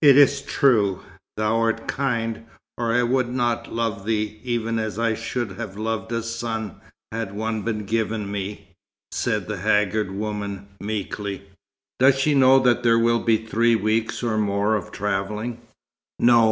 "It is true. Thou art kind, or I would not love thee even as I should have loved a son, had one been given me," said the haggard woman, meekly. "Does she know that there will be three weeks or more of travelling?" "No.